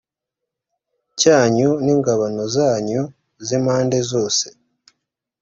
cyanyu n ingabano zacyo z impande zose